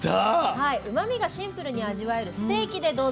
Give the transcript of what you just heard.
うまみがシンプルに味わえるステーキでどうぞ。